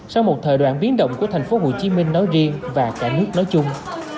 sau một thời đoạn biến động của thành phố hồ chí minh nói riêng và cả nước nói chung